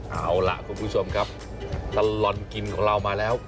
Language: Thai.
เอาล่ะคุณผู้ชมครับตลอดกินของเรามาแล้ว